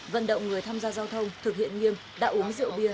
vận động người tham gia giao thông thực hiện nghiêm đã uống rượu bia